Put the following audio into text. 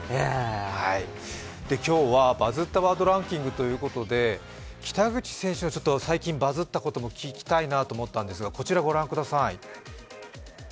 今日は「バズったワードランキング」ということで北口さんの最近バズったことを聞きたいなと思ったんですけどこちらご覧ください。